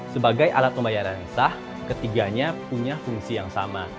sebagai alat pembayaran yang sah ketiganya punya fungsi yang sama